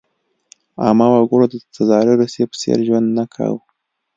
عامه وګړو د تزاري روسیې په څېر ژوند نه کاوه.